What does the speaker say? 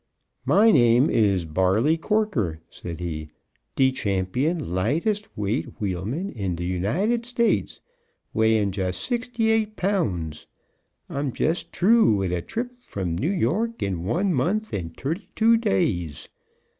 "My name is Barley Korker," said he, "de champion lightest weight wheelman in de United States, weighin' jest sixty eight pounds. I'm jest troo wid a trip from New York in one month and tirty two days.